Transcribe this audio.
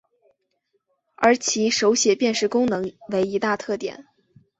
而其手写辨识功能为一大特点。